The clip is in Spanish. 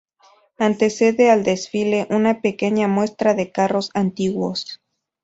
Antecede al desfile una pequeña muestra de carros antiguos.